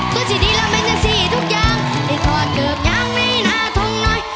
ก็ที่ดีลำเป็นจังสีทุกอย่างได้ทอดเกือบอย่างในหน้าทองน้อย